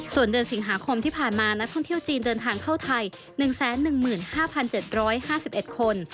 ส่วนเดือนสิงหาคมที่ผ่านมานักท่องเที่ยวจีนเดินทางเข้าไทย๑๑๕๗๕๑คน